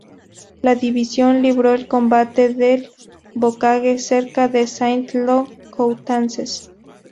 La división libró el combate del Bocage cerca de Saint-Lô y Coutances.